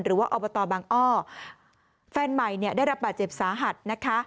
หรือว่าอบตบังอ้อแฟนใหม่ได้รับบาดเจ็บสาหัสนะคะ